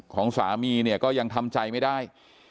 ของสามีเนี่ยก็ยังทำใจไม่ได้